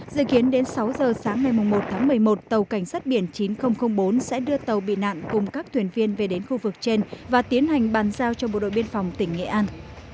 dự kiến đến sáu giờ sáng ngày một tháng một mươi một tàu cảnh sát biển chín nghìn bốn sẽ đưa tàu bị nạn cùng các thuyền viên về đến khu vực trên và tiến hành bàn giao cho bộ đội biên phòng tỉnh nghệ an